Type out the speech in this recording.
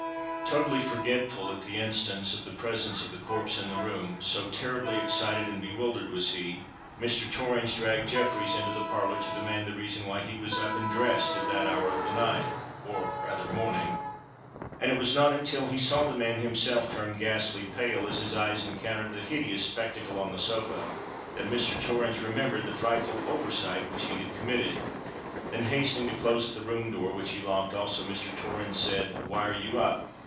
Totally forgetful at the instant of the presence of the corpse in the room,—so terribly excited and bewildered was he,—Mr. Torrens dragged Jeffreys into the parlour to demand the reason why he was up and dressed at that hour of the night—or rather morning:—and it was not until he saw the man himself turn ghastly pale as his eyes encountered the hideous spectacle on the sofa, that Mr. Torrens remembered the frightful oversight which he had committed. Then, hastening to close the room door, which he locked also, Mr. Torrens said, "Why are you up?